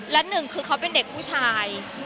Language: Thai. และหนึ่งคือเขาเป็นเด็กผู้ชาย